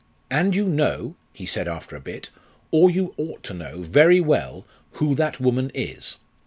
And you know,' he said after a bit, 'or you ought to know, very well, who that woman is.'